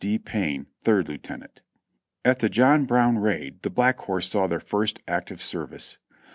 D. Payne, third lieutenant. At the John Brown raid the Black Horse saw their first active service.